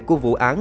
của vụ án